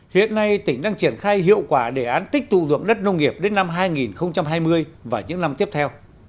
hiện nay tỉnh đang triển khai hiệu quả đề án tích tụ dụng đất nông nghiệp đến năm hai nghìn hai mươi và những năm tiếp theo